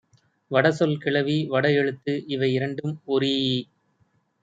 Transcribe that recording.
வடசொல் கிளவி, வடஎழுத்து இவையிரண்டும் ஒரீஇ